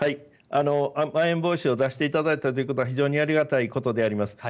まん延防止措置を出していただいたということは非常にありがたいことであります。